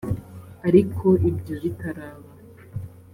ariko ibyo bitaraba